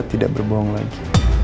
tidak berbohong lagi